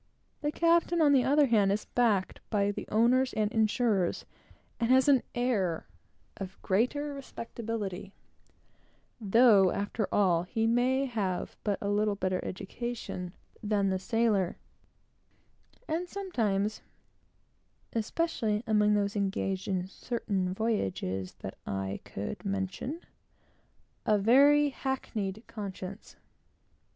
The captain, on the other hand, is backed by the owners and insurers, and has an air of greater respectability; though, after all, he may have but a little better education than the sailor, and sometimes, (especially among those engaged in certain voyages that I could mention) a very hackneyed conscience.